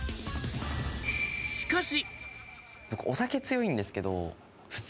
しかし。